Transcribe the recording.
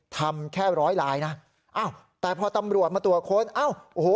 ทำแค่ร้อยลายนะอ้าวแต่พอตำรวจมาตรวจค้นเอ้าโอ้โห